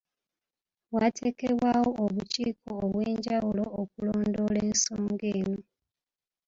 Wateekebwawo obukiiko obw'enjawulo okulondoola ensonga eno.